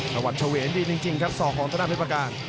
สวัสดิ์เฉวียนดีจริงครับศอกของต้นหน้าเพชรประการ